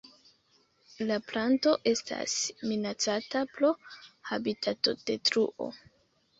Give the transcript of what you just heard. La planto estas minacata pro habitatodetruo.